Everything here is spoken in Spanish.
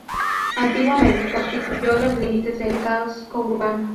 Antiguamente constituyó los límites del casco urbano.